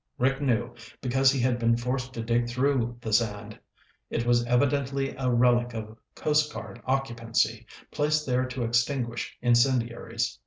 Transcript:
Rick knew, because he had been forced to dig through the sand. It was evidently a relic of Coast Guard occupancy, placed there to extinguish incendiaries.